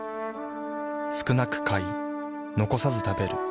少なく買い残さず食べる。